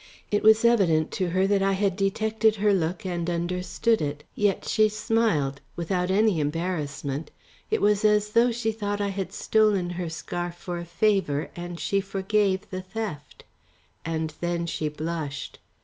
It was evident to her that I had detected her look and understood it. Yet she smiled without any embarrassment; it was as though she thought I had stolen her scarf for a favour and she forgave the theft. And then she blushed.